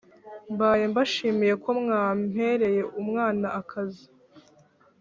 mbaye mbashimiye ko mwampereye umwana akazi